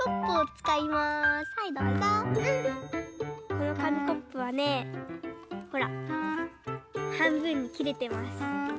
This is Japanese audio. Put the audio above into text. このかみコップはねほらはんぶんにきれてます。